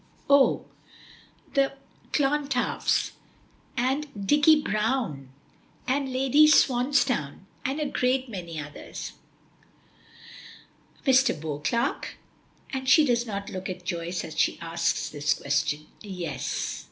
"Oh! the Clontarfs, and Dicky Browne, and Lady Swansdown and a great many others." "Mr. Beauclerk?" she does not look at Joyce as she asks this question. "Yes."